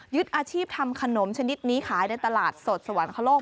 อาชีพทำขนมชนิดนี้ขายในตลาดสดสวรรคโลก